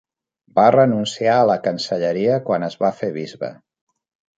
Va renunciar a la cancelleria quan es va fer bisbe.